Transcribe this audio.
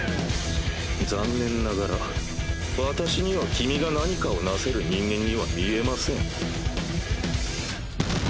残念ながら私には君が何かを為せる人間には見えません。